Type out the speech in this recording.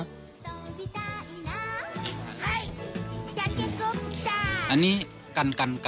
มันก็จะมีข้าวโหม๒ถูกนะคะ